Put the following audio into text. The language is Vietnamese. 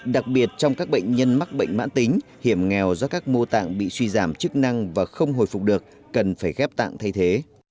đặc biệt trong các bệnh nhân mắc bệnh mãn tính hiểm nghèo do các mô tạng bị suy giảm chức năng và không hồi phục được cần phải ghép tạng thay thế